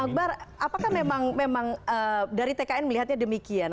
oke oke bang akbar apakah memang dari tkn melihatnya demikian